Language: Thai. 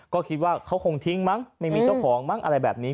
ก็คิดว่าเขาคงทิ้งมั้งไม่มีเจ้าของมั้งอะไรแบบนี้